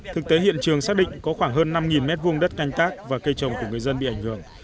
thực tế hiện trường xác định có khoảng hơn năm m hai đất canh tác và cây trồng của người dân bị ảnh hưởng